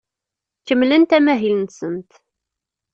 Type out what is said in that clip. Kemmlent amahil-nsent.